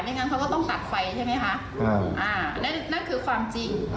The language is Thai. งั้นเขาก็ต้องตัดไฟใช่ไหมคะอ่านั่นคือความจริง